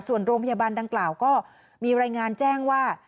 ส่วนโรงพยาบาลดังกล่าวก็มีรายงานแจ้งว่า